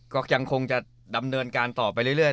ก็ยังคงจะดำเนินการต่อไปเรื่อย